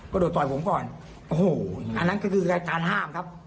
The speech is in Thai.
โดดต่อยผมก่อนโอ้โหอันนั้นก็คือรายการห้ามครับ